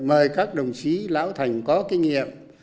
mời các đồng chí lão thành có kinh nghiệm